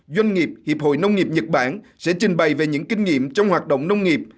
doanh nghiệp hiệp hội nông nghiệp nhật bản sẽ trình bày về những kinh nghiệm trong hoạt động nông nghiệp